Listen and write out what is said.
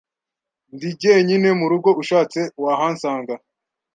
Ndi jyenyine murugo ushatse wahansanga